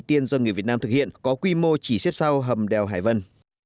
đầu tiên do người việt nam thực hiện có quy mô chỉ xếp sau hầm đèo hải vân